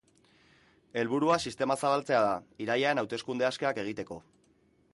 Helburua sistema zabaltzea da, irailean hauteskunde askeak egiteko.